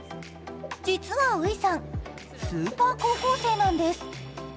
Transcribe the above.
実は宇井さん、スーパー高校生なんです。